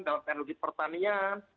dalam teknologi pertanian